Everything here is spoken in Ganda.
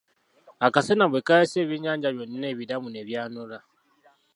Akasana bwe kaayase ebyennyanja byonna ebiramu ne byanula.